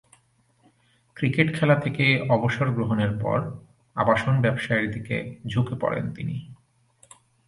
Cricket খেলা থেকে অবসর গ্রহণের পর আবাসন ব্যবসায়ের দিকে ঝুঁকে পড়েন তিনি।